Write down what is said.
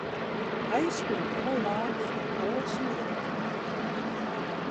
Hy spilet moai waar fan in oar syn jild.